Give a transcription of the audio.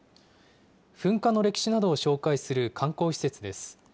噴火の歴史などを紹介する観光施設です。